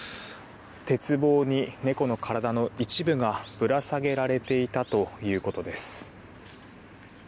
鉄棒に猫の体の一部がぶら下げられていたということです。